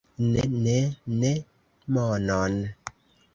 Ne, ne, ne monon!